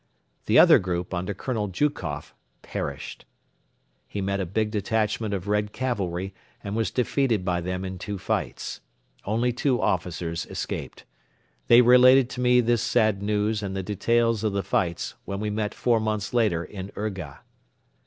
The other group under Colonel Jukoff perished. He met a big detachment of Red cavalry and was defeated by them in two fights. Only two officers escaped. They related to me this sad news and the details of the fights when we met four months later in Urga.